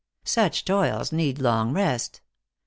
Such toils need long rest.